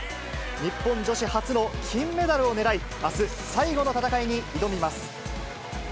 日本女子初の金メダルを狙い、あす、最後の戦いに挑みます。